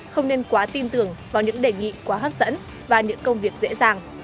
không nên quá tin tưởng vào những đề nghị quá hấp dẫn và những công việc dễ dàng